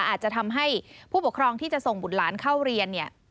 อาจจะทำให้ผู้ปกครองที่จะส่งบุตรหลานเข้าเรียนเนี่ย